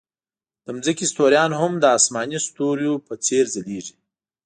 د ځمکې ستوریان هم د آسماني ستوریو په څېر ځلېږي.